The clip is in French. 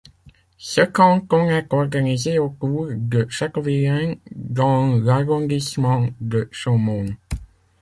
Ce canton est organisé autour de Châteauvillain dans l'arrondissement de Chaumont.